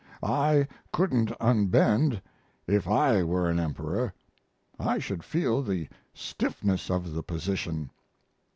I couldn't unbend if I were an emperor. I should feel the stiffness of the position.